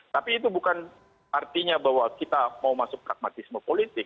tapi itu bukan artinya bahwa kita mau masuk pragmatisme politik